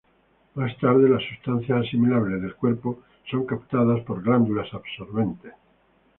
Más tarde las sustancias asimilables del cuerpo son captadas por glándulas absorbentes.